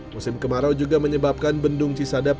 musim kemarau juga menyebabkan bendung cisadap